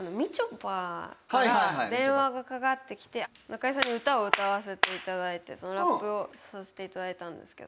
ぱから電話がかかってきて中居さんに歌を歌わせていただいてラップをさせていただいたんですけど。